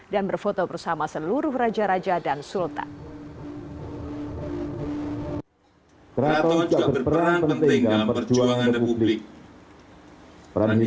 dan berfoto bersama seluruh raja raja dan sultan